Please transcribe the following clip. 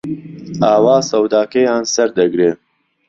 ئاوا سەوداکەیان سەردەگرێ